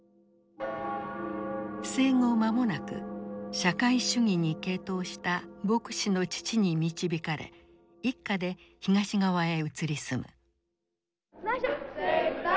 生後間もなく社会主義に傾倒した牧師の父に導かれ一家で東側へ移り住む。